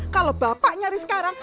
kalo bapak nyari sekarang